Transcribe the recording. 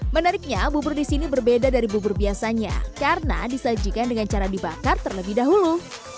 menariknya bubur di sini berbeda dari bubur biasanya karena disajikan dengan cara dibakar terlebih dahulu